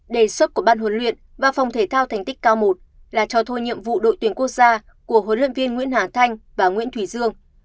đề xuất của ban huấn luyện và phòng thể thao thành tích cao một là cho thôi nhiệm vụ đội tuyển quốc gia của huấn luyện viên nguyễn hà thanh và nguyễn thủy dương